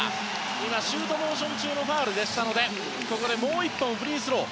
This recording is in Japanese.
今、シュートモーション中のファウルだったのでもう１本、フリースロー。